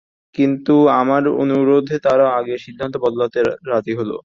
কিন্তু আমার অনুরোধে তারা আগের সিদ্ধান্ত বদলাতে রাজি হলেন।